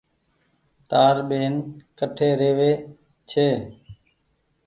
تآر ٻين ڪٺي رهي وي ڇي۔